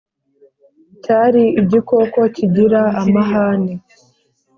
Cyari igikoko kigira amahane